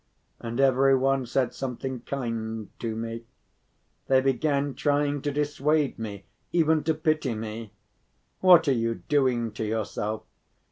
And every one said something kind to me, they began trying to dissuade me, even to pity me: "What are you doing to yourself?"